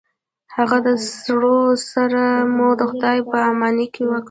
هغه سړو سره مو د خداے په اماني وکړه